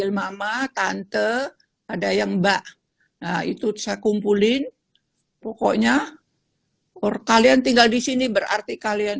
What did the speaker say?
ilmama tante ada yang mbak nah itu saya kumpulin pokoknya kalian tinggal di sini berarti kalian